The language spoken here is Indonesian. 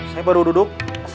saya baru duduk